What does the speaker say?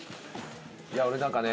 いや俺なんかね。